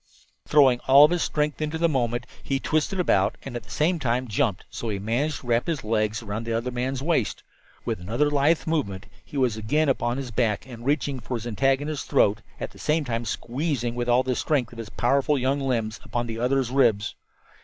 Throwing all his strength into the movement, he twisted about and at the same time jumped, so that he managed to wrap his legs about the other man's waist. With another lithe movement he was again upon his back and reaching for his antagonist's throat, at the same time squeezing with all the strength of his powerful young limbs upon the other's ribs.